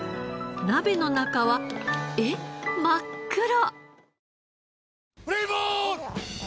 鍋の中はえっ真っ黒！